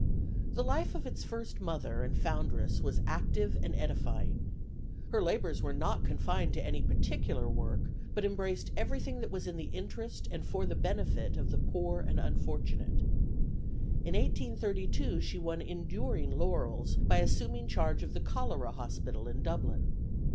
The life of its first Mother and foundress was active and edifying. Her labors were not confined to any particular work, but embraced everything that was in the interest and for the benefit of the poor and unfortunate. In 1832 she won enduring laurels by assuming charge of the cholera hospital in Dublin.